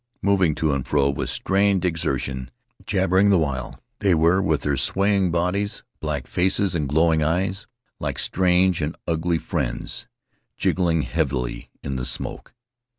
Moving to and fro with strained exertion, jabbering the while, they were, with their swaying bodies, black faces, and glowing eyes, like strange and ugly friends jigging heavily in the smoke.